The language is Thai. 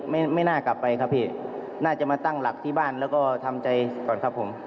ไม่ไม่น่ากลับไปครับพี่น่าจะมาตั้งหลักที่บ้านแล้วก็ทำใจก่อนครับผม